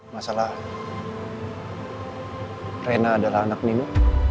masalah rena adalah anak nino